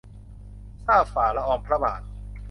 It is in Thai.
ทราบฝ่าละอองพระบาท